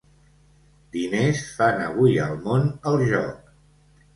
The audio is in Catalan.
Diners fan avui al món el joc.